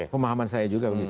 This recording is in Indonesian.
pemahaman saya juga begitu